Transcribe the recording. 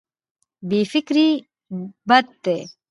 بې فکري بد دی.